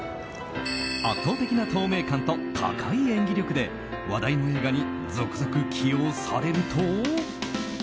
圧倒的な透明感と高い演技力で話題の映画に続々起用されると。